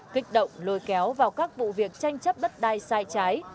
kích động lôi kéo vào các vụ việc tranh chấp đất đai sai trái